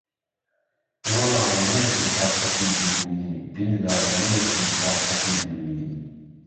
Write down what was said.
وهڵا نییهسم تاقتی دووری، بیللا نییهسم تاقتی دووری